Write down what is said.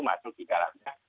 masuk di dalamnya